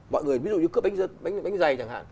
mọi người ví dụ như cướp bánh dây chẳng hạn